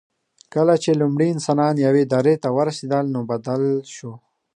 کله چې لومړي انسانان یوې درې ته ورسېدل، نو بدل شو.